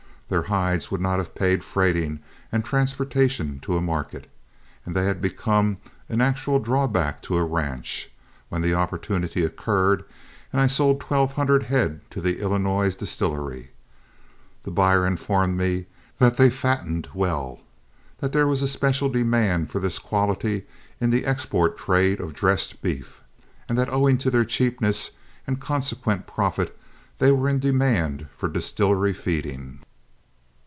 Their hides would not have paid freighting and transportation to a market, and they had become an actual drawback to a ranch, when the opportunity occurred and I sold twelve hundred head to the Illinois distillery. The buyer informed me that they fattened well; that there was a special demand for this quality in the export trade of dressed beef, and that owing to their cheapness and consequent profit they were in demand for distillery feeding.